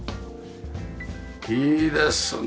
いいですね。